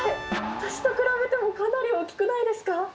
私と比べても、かなり大きくないですか？